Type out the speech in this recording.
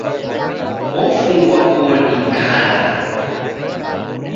Ofungwa koni kala.